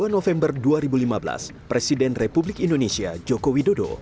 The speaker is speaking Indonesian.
dua puluh november dua ribu lima belas presiden republik indonesia joko widodo